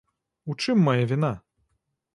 У чым мая віна?